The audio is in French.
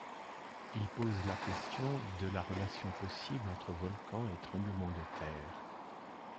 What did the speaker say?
Il pose la question de la relation possible entre volcans et tremblements de terre.